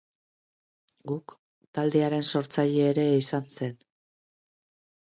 Guk taldearen sortzaile ere izan zen.